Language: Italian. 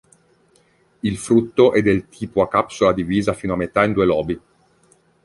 Il frutto è del tipo a capsula divisa fino a metà in due lobi.